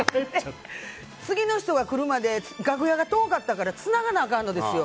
次の人が来るまで楽屋が遠かったからつながなあかんのですよ。